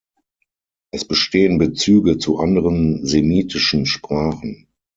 Es bestehen Bezüge zu anderen semitischen Sprachen.